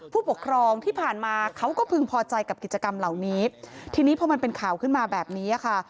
ผู้ปกครองที่ผ่านมาเขาก็พึงพอใจกับกิจกรรมเหล่านี้ทีนี้พอมันเป็นข่าวขึ้นมาแบบนี้ค่ะ